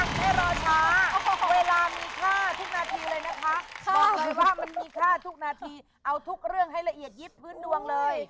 ดีกว่ามีค่าทุกนาทีเอาทุกเรื่องให้ละเอียดยิบพื้นดวงเลย